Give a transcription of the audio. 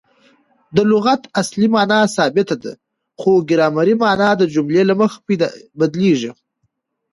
د لغت اصلي مانا ثابته ده؛ خو ګرامري مانا د جملې له مخه بدلیږي.